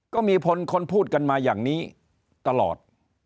ก็มีคนพูดกันมาอย่างนี้ตลอด